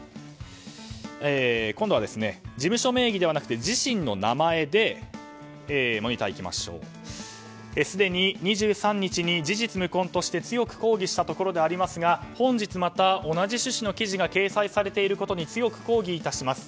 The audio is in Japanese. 今度は事務所名義ではなくて自身の名前ですでに２３日に事実無根として強く抗議したところでありますが本日、また同じ趣旨の記事が掲載されていることに強く抗議いたします。